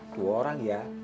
tua orang ya